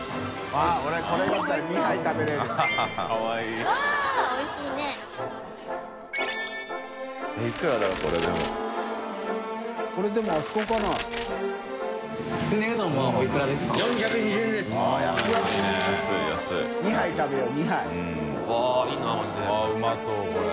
あっうまそうこれ。